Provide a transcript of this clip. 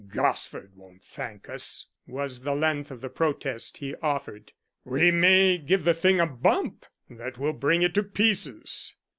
"Gosford won't thank us," was the length of the protest he offered. "We may give the thing a bump that will bring it to pieces."